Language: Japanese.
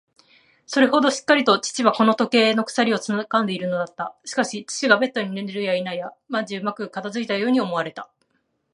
それほどしっかりと父はこの時計の鎖をつかんでいるのだった。しかし、父がベッドに寝るやいなや、万事うまく片づいたように思われた。